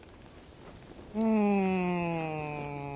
うん。